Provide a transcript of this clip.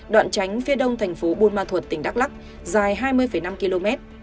đoạn tránh phía đông thành phố buôn ma thuột tỉnh đắk lắc dài hai mươi năm km